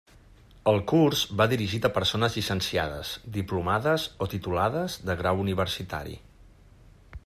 El curs va dirigit a persones llicenciades, diplomades o titulades de grau universitari.